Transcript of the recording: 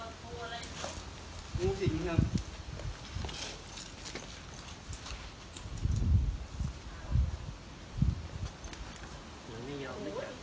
ตอนนี้ก็ไม่มีเวลาให้กลับไปแต่ตอนนี้ก็ไม่มีเวลาให้กลับไป